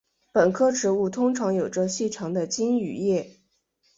本科植物通常有着细长的茎与叶。